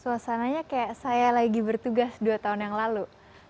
suasananya kayak saya lagi bertugas dua tahun yang lalu